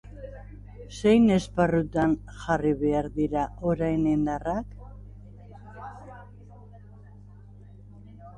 Zein esparrutan jarri behar dira orain indarrak?